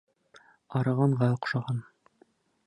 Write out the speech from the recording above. Арығанға оҡшаған.